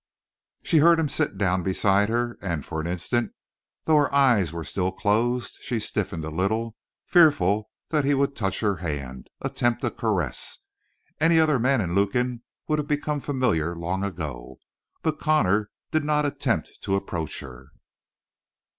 She heard him sit down beside her, and for an instant, though her eyes were still closed, she stiffened a little, fearful that he would touch her hand, attempt a caress. Any other man in Lukin would have become familiar long ago. But Connor did not attempt to approach her.